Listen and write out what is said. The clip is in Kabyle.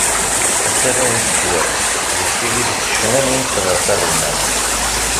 Asalay n tekbabt yettili-d s ccna n yimseɣret aɣelnaw.